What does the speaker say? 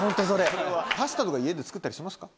パスタとか家で作ったりしますか？